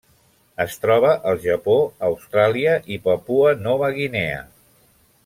Es troba al Japó, Austràlia i Papua Nova Guinea.